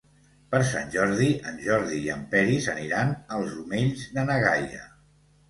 Per Sant Jordi en Jordi i en Peris aniran als Omells de na Gaia.